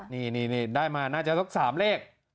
นี่ได้มาน่าจะสัก๓เลข